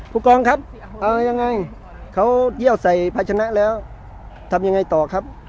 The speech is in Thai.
ผู้กองครับเอายังไงเขาเยี่ยวใส่ภาชนะแล้วทำยังไงต่อครับ